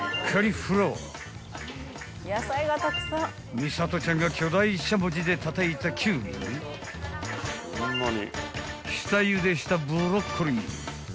［ミサトちゃんが巨大しゃもじでたたいたキュウリに下ゆでしたブロッコリー］